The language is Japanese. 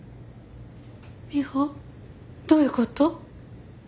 ミホどういうこと？